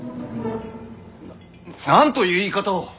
ななんという言い方を！